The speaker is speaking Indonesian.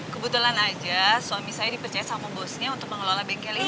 kebetulan aja suami saya dipercaya sama bosnya untuk mengelola bengkel ini